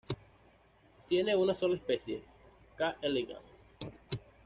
Tiene una sola especie: "K. elegans".